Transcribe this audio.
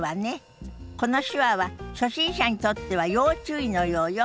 この手話は初心者にとっては要注意のようよ。